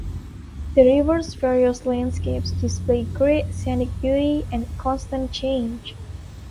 The river's various landscapes display great scenic beauty and constant change.